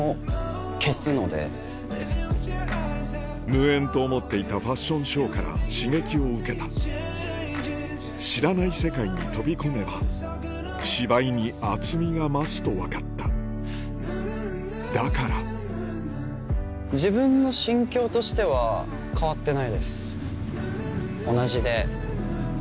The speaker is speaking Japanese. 無縁と思っていたファッションショーから刺激を受けた知らない世界に飛び込めば芝居に厚みが増すと分かっただから自分の心境としては変わってないです。